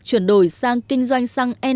chuyển đổi sang kinh doanh xăng e năm